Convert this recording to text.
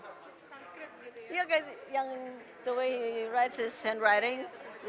cara menulisnya penulisan tangan